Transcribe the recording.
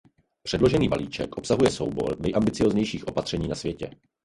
Předložený balíček obsahuje soubor nejambicióznějších opatření na světě.